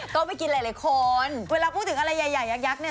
ก็ไปกินหลายคนเวลาพูดถึงอะไรใหญ่ยักษ์เนี่ย